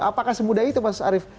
apakah semudah itu mas arief